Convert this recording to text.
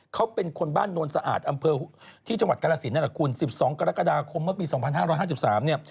เขาเป็นคนบ้านโนนสะอาดอำเภอที่จังหวัดกรสินนั่นแหละคุณ๑๒กรกฎาคมเมื่อปี๒๕๕๓เนี่ย